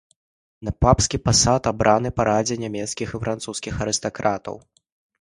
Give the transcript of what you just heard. На папскі пасад абраны па радзе нямецкіх і французскіх арыстакратаў.